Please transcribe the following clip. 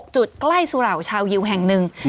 จุดใกล้สุเหล่าชาวยิวแห่งหนึ่ง